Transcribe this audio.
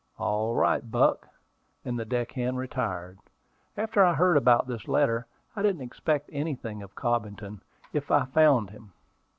"All right, Buck;" and the deck hand retired. "After I heard about this letter, I didn't expect anything of Cobbington, if I found him."